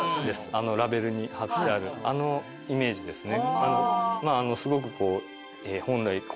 あのラベルにはってあるあのイメージですね。